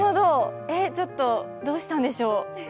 え、ちょっとどうしたんでしょう。